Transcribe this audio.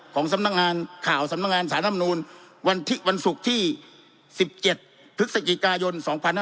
ของสำนักงานข่าวสำนักงานสารรัฐมนูลวันที่วันศุกร์ที่๑๗ธุรกิจกายน๒๕๖๔